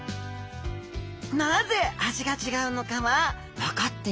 なぜ味が違うのかは分かっていません。